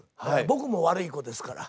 僕も悪い子ですから。